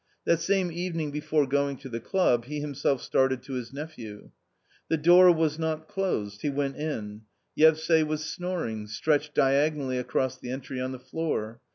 That same evening before going to the club he himself started to his nephew. The door was not closed. He went in ; Yevsay was snor ing, stretched diagonally across the entry on the floor.